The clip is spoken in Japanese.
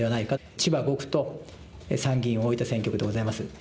千葉５区と参議院大分選挙区でございます。